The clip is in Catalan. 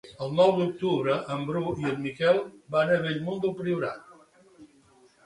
El nou d'octubre en Bru i en Miquel van a Bellmunt del Priorat.